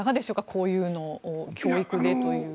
こういうのを教育でという。